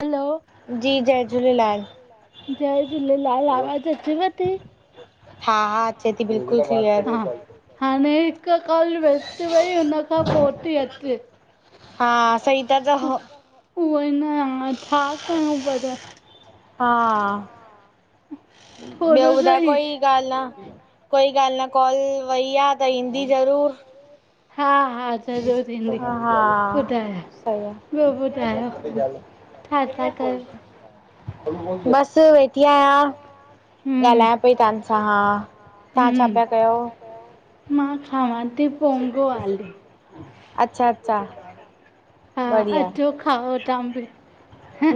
हलो। जी जय झूलेलाल। जय झूलेलाल आवाज़ु अचेव थी? अचे थी बिल्कुल। हा हाणे हिक कल वेस्ट वई हुन खां पो तेई अचे। हा सही ता जह। उहे न हा था कयूं पर? हा ॿियो ॿुधाए कोई? ॻाल्ह आ कोई ॻाल्ह न कॉल वई आ त ईंदी ज़रूर। हा हा। सजो थींदी ॿुधाए ब्यो ॿुधायो? ठा ता कयो? बस वे। या ॻाल्हायां पई तांसां हा तां छा पया कयो? मां खांवां ती। अच्छा अच्छा। हा अचो खाओ तां बी। ह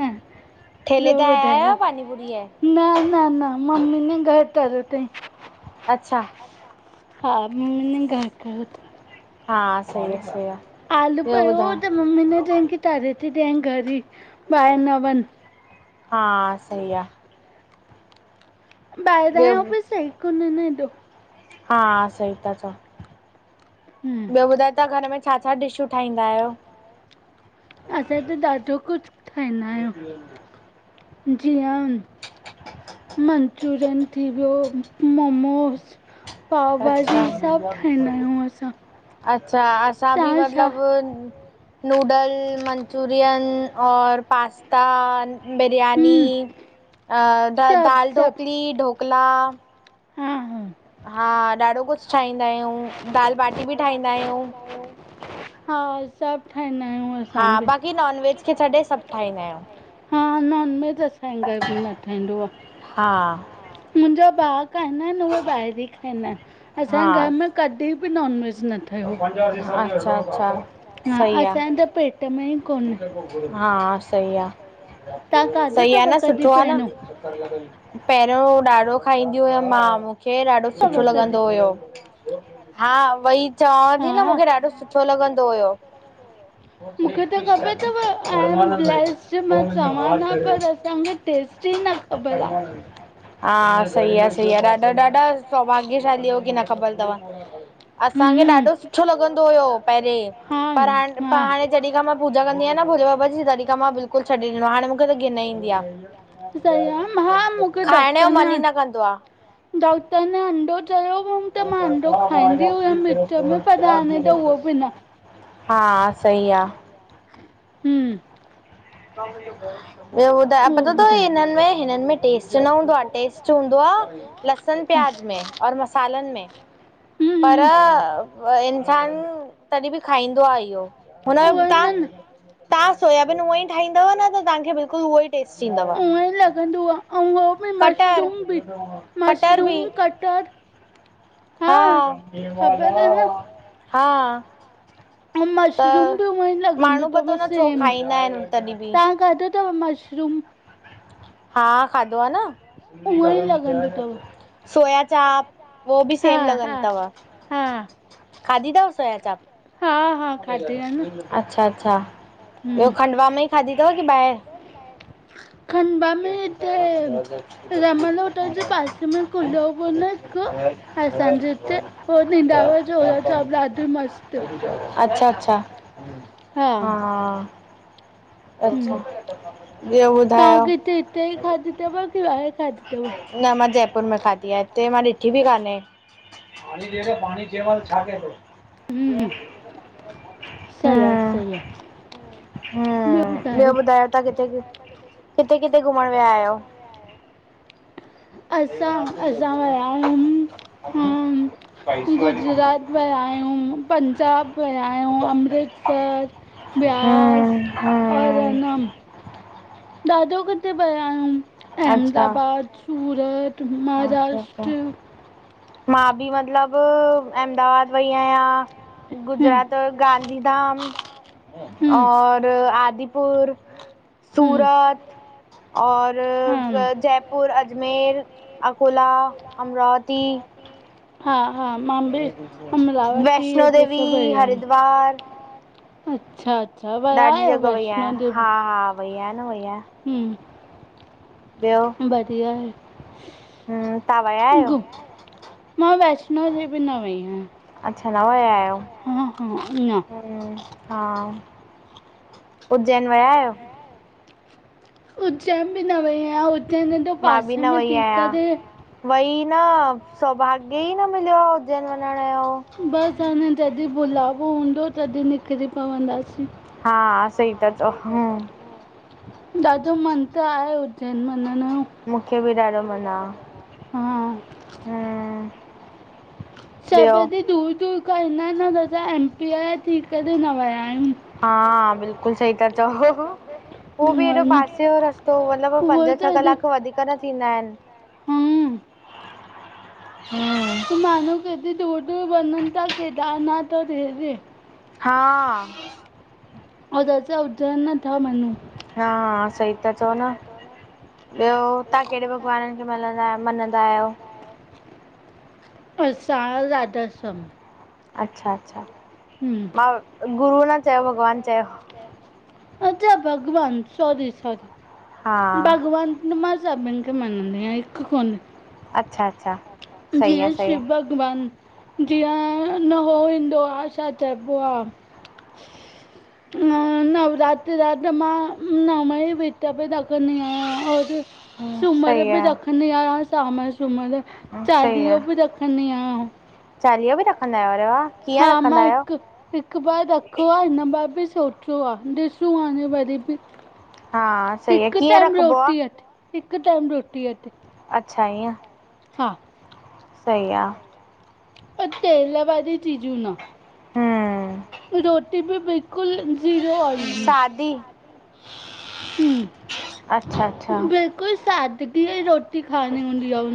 ॿियो ॿुधायो? न न न मम्मी ने घर तरियो त। अच्छा। हा म घर कयो थ। हा सही आ सही आ। आलू पयो त मम्मी न चयाईं की तरे थी ॾियांई घर ई ॿाहिर न वञ। हा सही आ। ॿाहिरांयूं बिस हिक् ने एॾो। हा सही था चओ ॿियो ॿुधाए त घर में। छा छा डिशूं ठाहींदा आहियो? असां त ॾाढो कुछ ठाहींदायूं जीअं। मंचुरियन थी वयो मोमोस। पाव भाजी सभ ठाहींदायूं असां। अच्छा असां बि मतलब। नूडल मंचूरियन और पास्तांन। बिरयानी आ द दाल ढोकली ढोकला। हां हां। हा ॾाढो कुछ ठाहींदायूं दाल बाटी बि ठाहींदायूं। हा सभ ठाहींदा आहियूं अ। हा बाक़ी नॉन वेज खे छॾे सभ ठाहींदायूं। हा नॉन वेज असांई घर न ठहंदो आ मुंहिंजा बग। खाईंदा आहिनि उहे ॿाहिरि ई खाईंदा आहिनि, असांजे घर में कॾी बि नॉनवेज न ठयो, हा असांजे त पेट में ई हा सई आ, सही आ न सुठो आ न। पहिरों ॾाढो खाईंदी हुयमि मां, मूंखे ॾाढो सुठो लॻंदो हुओ। हा वई चवांई ती न मां मूंखे ॾाढो सुठो लॻंदो हुओ। ख़बर तव आई एम ब्लेस्ड मां चवां न पर असांखे टेस्ट ई न ख़बर आ। हा सही आ सही आ ॾाढा ॾाढा सौभाग्यशाली हो की न ख़बर तव। असांखे ॾाढो सुठो लॻंदो हुयो पहिरें, पर हाण पर हाणे जॾी खां मां ॿु पूजा कंदी आ न भोले बाबा जी तॾी क़ा मां बिल्कुलु छॾे ॾिनो आ हाणे त मूंखे गिन ईंदी आ। खाइण जो मन ई न कंदो आ। डॉक्टर ने अंडो चयो हुअमि त मां अंडो खाईंदी हुयमि विच में, पर हाणे त उहो बि न। हा हूंम [unintelligible] ॿियो ॿुधाए पतो तव हिननि में हिननि मे टेस्ट न हूंदो आ टेस्ट हुंदो आ लहसुन प्याज में और मसालनि में पर इंसानु तॾी बि खाईंदो आ इहो। हुन तां तां सोयाबीन उअं ई ठाहींदव न त तव्हांखे बिल्कुलु उहो ई टेस्ट ईंदव। उअ ई लॻंदो आ, अऊं उह बि मशरूम बि, मशरूम कटर हा हा ऐं मशरूम बि उअं ई लॻंदो तव सेम, तां खाधो तव मशरूम? हा खाधो आ न। सोया चाप, वो बि सेम लॻंदी तव। खाधी तव सोया चाप? अच्छा अच्छा ॿियो खंडवा में ई खाधी तव की ॿाहिरि? खंडबा त [unintelligible] हुन हिकु, असांजे हिते, हो ॾिंदा वा जो उ सोया चाप ॾाढी मस्त अच्छा अच्छा हा अच्छा ॿियो ॿुधायो? कि हिते ई खाधीतव की ॿाहिरि खाधीतव? न मां जयपुर में खाधी आहे, हिते मां ॾिठी बि कान्हे। पाणी ॾे न पाणी जे मल छा केंदो आ? हूं हूं सही आ सही आ। हम्म ॿियो ॿुधायो तां किथे कि किथे किथे घुमण विया आहियो? असां, असां विया आहियूं हम्म गुजरात वया आहियूं पंजाब विया आहियूं अमृतसर, व्यास और ह ना ॾाढो किथे विया आहियूं अहमदाबाद, सूरत महाराष्ट। मां बि मतिलबु अहमदाबाद वई आहियां गुजरात गांधी धाम और आदिपुर सूरत और जयपुर, अजमेर अकोला, अमरावती। हा, हा, मां भी अमरावती हिते सब वया अच्छाआ। ॾाढी जॻहि वई आहयां। हा, हा, वई आहयां न वई आयां। हम्म [inaudible] ॿियो। बढ़िया आहे। गो, मां वैष्णो देवी न वई आहियां। अच्छा, न विया आहियो। हूम्म, हूम्म, न। हूम्म, हा उज्जैन विया आहियो? उज्जैन भी न वई आहियां। उज्जैन एॾो पासे में थी करे वहिन, सौभाग्य ही न मिलियो आ उज्जैन वञण जो। बस हाणे जॾहिं बुलावो हूंदो, तॾहिं निकिरी पवंदासीं। हा, सही था चयो। ॾाढो मन त आहे उज्जैन वञण जो। मुहिंजो भी ॾाडो मन आ। हा। सब ऐॾी दूर-दूर खां ईंदा आहिनि, असां एम पी जा थी करे न विया आहियूं। हा बिल्कुल सही था चओ हूहू। हू भी एॾो पासे जो रस्त पो मतिलबु पंज छह क्लाक वधीक न थींदा आहिनि। हूहम्म। हम्म [inaudible] माण्हू केतिरी दूर -दूर वञनि था केदारनाथ ऐं हेॾे। हाआआ। अदा छा उज्जरन न थ माणू [unintelligible] हा। सही था चओ न। ॿियो तव्हां कहिड़े भॻवानन खे मञंदा आहियो, मञंदा आहियो? असां राधा स्वामी। अच्छा, अच्छा, मां गुरू न चयो भॻवानु चयो। अच्छा भॻवान, सॉरी, सॉरी भॻवान न, मां सबनी खे मञंदी आहियां। हिकु कोन् अच्छा। अच्छा। जिऐं शिव भग वान जिऐं न हो ईंदो आहे छा चइबो आ न, नवरात्र रात जा मां नवही व्रत सब रखंदी आहियां और सुमर भी रखंदी आहियां। सांवण सुमर सही आहे। चालीहो भी रखंदा आहियो? अरे वाह! हा। मां हिकु हिकु बार रखयो आह। हिन बार भी सोचियो आ, ॾिसूं हाणे वरी भी। हिकु टाइम रोटी ते, हिकु टाइम रोटी ते। अच्छा। इऐं। हा। सही आह। पर तेल वारी चीजूं न। रोटी भी बिलकुल सादी। हं बिल्कुल सादगी ई रोटी खानी हूंदी आह ऊ।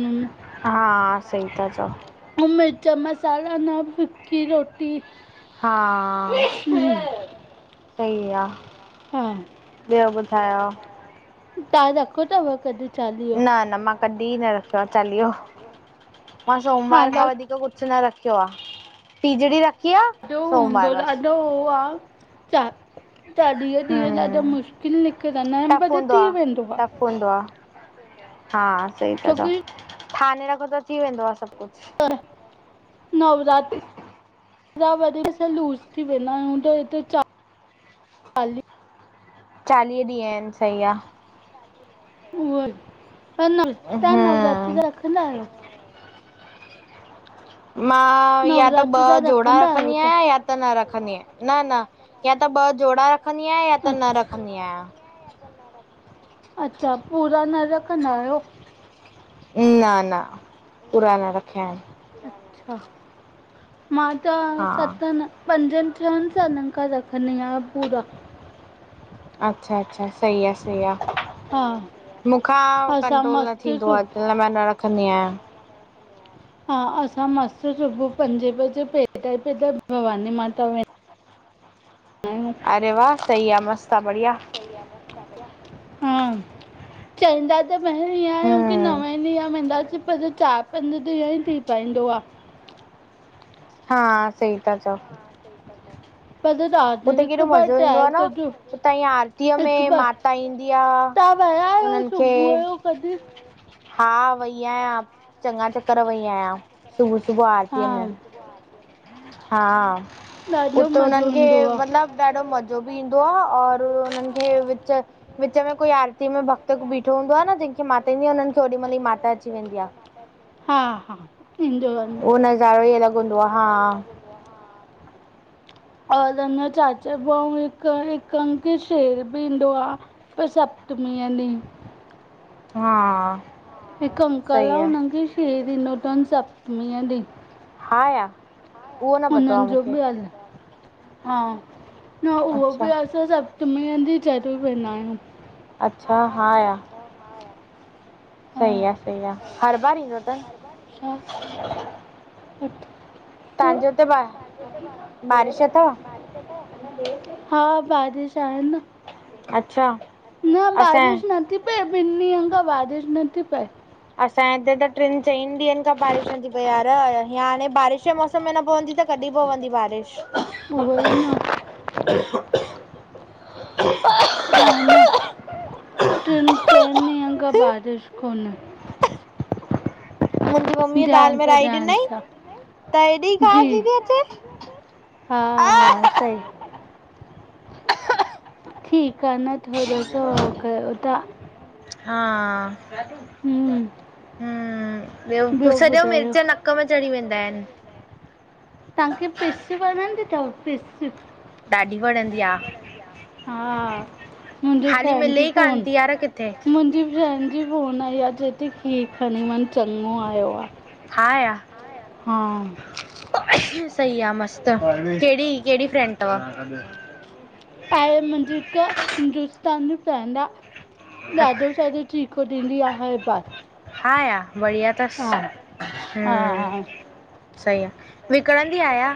हा सही था चओ। आऊ मिर्च मसाला न, फिकी रोटी। हा। म्। सहीया। हा, तां रखो थव कॾ? न न मां कॾहिं न रखियो आ चालीहो, मां सोमवार खां वधीक कुछ। सुनाए रखियो आ, तिजड़ी रख। जो हूंदो, ॾाॾो उ आ। चा चालीह ॾींहं ॾाढा मुश्किल निकरंदा आहिन, पर थी वेंदो आ। हूंदो आ हा सही था चव। थाने रख त थी वेंदो आ सभ कुछ। नव नवरात्र। वां वारी भी लूज़ थी वेंदा आहियूं त हिते च चालह। चालीह ॾींहं आहिन सही आह। उह ई तां नवरात्रि ता रखंदा आहियो? मां या त ॿ जोड़ा रखंदी आहियां या। त न रखंदी आया, न न या त ॿ जोड़ा। खणी आहियां या त न रखंदी आहियां। अच्छा! पूरा न रखंदा आहियो? न न, पूरा न रखियान। अच्छा, मा ता सतना। पंजन, ट्रन सां हिनन खां रखंदीयां पूरा। अच्छा अच्छा सही आ, सही आ, मूंखां कंट्रोल न थींदो आह। हिनलाय मां न रखंदी आहियां। हा असां मस्तु सुबुह पंजे बजे पेदल पेडल त भवानी माता वेंदायूं। अरे वाह! सही आ, मस्त आ बढ़िया। [unintelligible] हा। चवंदा त पहिर ईअं आहियूं की नवें ॾींहं वेंदासीं पर चार पंज ॾींहं ई थी। चाएंदोआ। हा सही ता चओ। पल रात जो हिक बार ट्रय कजो हिक बार। तां वया आहियो सुबुह यो कॾे? हा वई आहियां, चङा चकर वई आहियां, सुबुह सुबुह आरतीअ में। हा उते हुनन खे मतलब। ॾाढो मज़ो बि ईंदो आ और उन्हनि खे विच। विच में कोई आरती में भक्त बीठो हूंदो आहे न जेंहिंखे मातांदी आ उन्हन खे ओॾीहिमल ही माता अची वेंदी आ। हा हा, ईंदो आ। उह नज़ारो ई अलॻ। हूंदो आ, हा। और अञो चाचा भऊ हिकु-हिकु अंखे शेर बि ईंदो आह। पर सप्तमी याने। हा हिकु अंकल आह उन खे शेर ईंदो तन सप्तमीअ ॾिहुं। हा या उन्हनि जो बि हल हा न, उहो बि असां सप्तमि ॾिहं ज़रूर वेंदा आहियूं। अच्छा हा या? सही आसही आ हर बार ईंदो तन? [unintelligible] [unintelligible] हा बारिश आहे न, न बारिश न थी प पए ॿिन ॾियन खा बारिश न थी पए। असांजे हिते त ट्रिन चइनि ॾींहंनि खां बारिश न थी पई यार, हीअं हाणे बारिश जे मौसम में न पवंदी त कॾहिं पवंदी बारिश? हा न ट्रिन चइनि ॾींहंनि खां बारिश कोन्हे। मुंहिंजी मम्मीअ दाल में राई ॾिनई त हेॾी खांसी ती अचे। हा-हा सही ठीक आ न थोरो सो हो कयो तहां। हा, हम्म ॿियो? सॼो मिर्च नक में चढ़ी वेंदा आहिन। तव्हांखे पिस वणंदी तव पिस? ॾाढी वणंदी आ। हा मुंजे फ्रेंड जी फोन मुंजी फ़्रेंद जी फोन आई आ, चऐ ती खीर खणी वन चॻो आयो आ। हा या! हम्म सही आ, मस्त कहिड़ी, कहिड़ी फ्रेंड तव? आहे मुंहिंजि हिक हिंदुस्तान फ्रेंड आ ॾाढो सारो चीखो ॾींदी आ, हर बार हा या बढ़िया त तस हम्म सही आ, विकणंदी आहियां?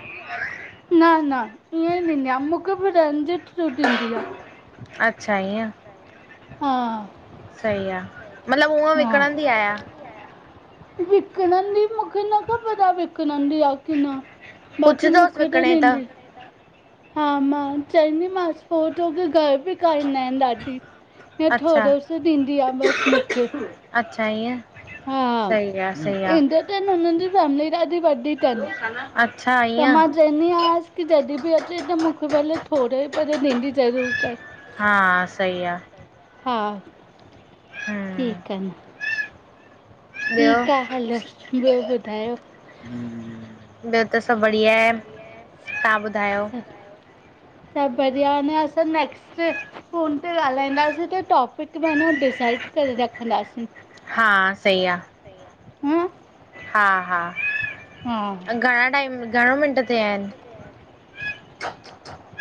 न-न ईअं ई ॾींदी आ मुखे बि फ्रेंड जे थ्रू ॾींदी आ। अच्छा इअं। हा-हा विक्डंदी मुंखे न खबर आ विक्डंदी आ। की न, बाक़ी मुखे त ॾिंदी हा मां चईंदीमासि पो छोक्री घर भी खाईंदा आहिन ॾाढी। हितां थोरो सो ॾींदी आ बस मुंखे। अच्छा ईअं। हा, ईंदो तन उन्हन जी फैमिली ॾाढी वॾी तन। अच्छा ईअं चईंदी आहियांस की जॾहिं बि अचे त मुखे भले थोडो ही पर ॾींदी ज़रूर कर। हा सही आ। हा हम्म ठीक हन ठीकु आ हलो ॿियो ॿुधायो - - ॿियो त सभु बढ़िया आहे तव्हां ॿुधायो। सबु बढ़िया अञां असां नेक्स्ट - - फोन ते ॻाल्हाईंदासी त टॉपिक बि हान ॾिसाइड करे रखंदासीं। हा सही आ - - हूं हा हा घणा टाइम घणो मिंट थिया आहिन। थ थ थ - -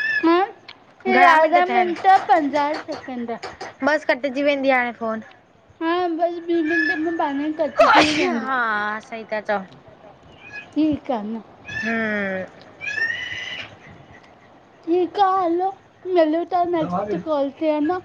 यारहं मिंट पंजाहि सैकेंड - - बस कटिजी वेंदी हाणे फ़ोन - - हा बस ॿी मिंटे में पाणेई कटॼी वेंदी। ठीक आ न - - हूं ठीकु आ हलो मिलूं था नैक्स्ट कॉल ते हा न।